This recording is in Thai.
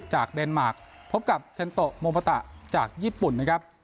จากเดนมากพบกับเทนโตโมมัตตะจากญี่ปุ่นครับ